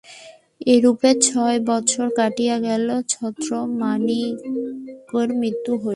এইরূপে ছয় বৎসর কাটিয়া গেলে ছত্রমাণিক্যের মৃত্যু হইল।